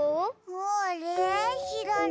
あれしらない。